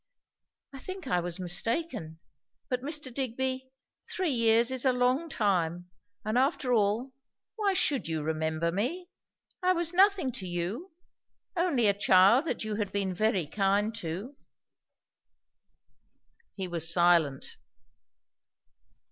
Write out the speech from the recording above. "I think I was mistaken. But, Mr. Digby, three years is a long time; and after all, why should you remember me? I was nothing to you; only a child that you had been very kind to." He was silent.